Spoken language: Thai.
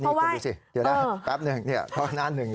นี่คุณดูสิเดี๋ยวนะแป๊บหนึ่งเพราะหน้าหนึ่ง